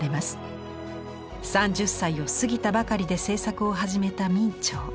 ３０歳を過ぎたばかりで制作を始めた明兆。